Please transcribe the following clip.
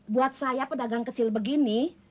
buat saya pedagang kecil begini